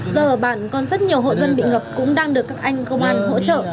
giờ ở bản còn rất nhiều hộ dân bị ngập cũng đang được các anh công an hỗ trợ